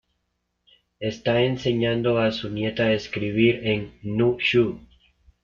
Está enseñando a su nieta a escribir en nü shu.